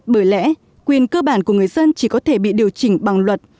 bởi lẽ quyền cơ bản của người dân chỉ có thể bị điều chỉnh bằng luật